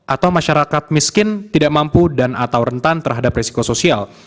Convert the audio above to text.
atau masyarakat miskin tidak mampu dan atau rentan terhadap resiko sosial